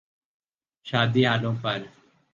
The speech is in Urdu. شادی ہالوں پہ۔